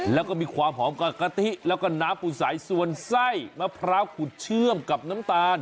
แล้วก็มีความหอมกว่ากะทิแล้วก็น้ำปูสายส่วนไส้มะพร้าวขุดเชื่อมกับน้ำตาล